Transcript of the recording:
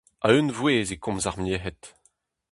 A-unvouezh e komz ar merc'hed.